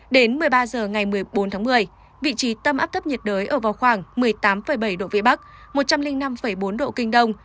đến một mươi ba h ngày một mươi bốn tháng một mươi vị trí tâm áp thấp nhiệt đới ở vào khoảng một mươi tám bảy độ vĩ bắc một trăm linh năm bốn độ kinh đông